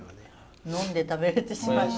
呑んで食べれてしまいます。